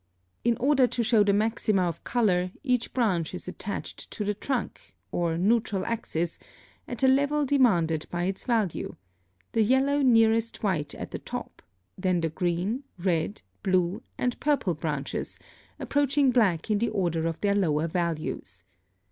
In order to show the MAXIMA of color, each branch is attached to the trunk (or neutral axis) at a level demanded by its value, the yellow nearest white at the top, then the green, red, blue, and purple branches, approaching black in the order of their lower values.